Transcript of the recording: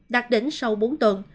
đạt đỉnh sau bốn tuần